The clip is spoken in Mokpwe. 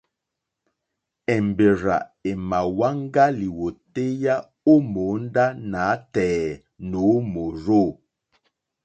Èmbèrzà èmà wáŋgá lìwòtéyá ó mòóndá nǎtɛ̀ɛ̀ nǒ mòrzô.